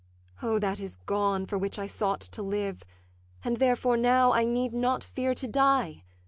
'O, that is gone for which I sought to live, And therefore now I need not fear to die.